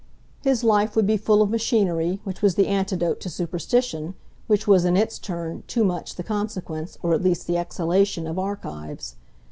His life would be full of machinery, which was the antidote to superstition, which was in its turn, too much, the consequence, or at least the exhalation, of archives.